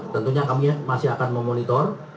tentunya kami masih akan memonitor